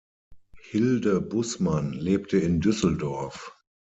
Hilde Bussmann lebte in Düsseldorf.